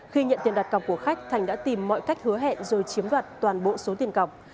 khi nhận tiền đặt cọc của khách thành đã tìm mọi cách hứa hẹn rồi chiếm đoạt toàn bộ số tiền cọc